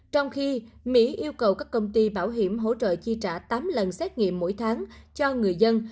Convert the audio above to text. trong khi mỹ yêu cầu các công ty bảo hiểm hỗ trợ chi trả tám lần xét nghiệm mỗi tháng cho người dân